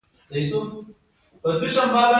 د نویو جامو کلتور اقتصاد خوځوي